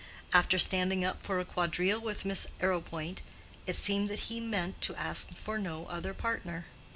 After standing up for a quadrille with Miss Arrowpoint, it seemed that he meant to ask for no other partner.